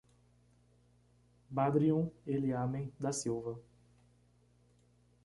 Badrion Eliamen da Silva